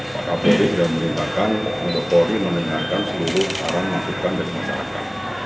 pakal polri sudah memberitakan pak polri menerima seluruh barang masukkan dari masyarakat